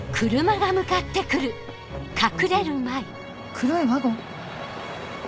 黒いワゴン？